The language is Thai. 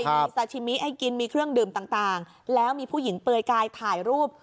มีซาชิมิให้กินมีเครื่องดื่มต่างแล้วมีผู้หญิงเปลือยกายถ่ายรูป